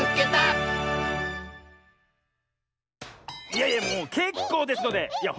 いやいやもうけっこうですのでいや